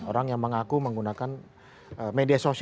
orang yang mengaku menggunakan media sosial